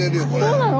そうなの？